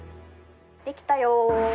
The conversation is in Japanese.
できたよー。